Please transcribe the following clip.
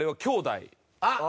あっ。